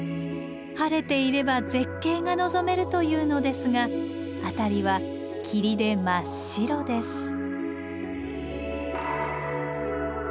晴れていれば絶景が望めるというのですが辺りは霧で真っ白です。